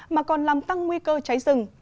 mà còn làm tăng nguy cơ cháy rừng